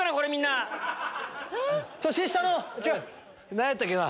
何やったっけな？